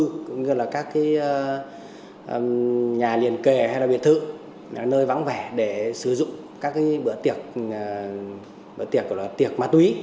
cũng như là các cái nhà liền kề hay là biệt thự nơi vắng vẻ để sử dụng các cái bữa tiệc bữa tiệc tiệc ma túy